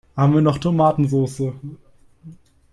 Haben wir noch Tomatensoße?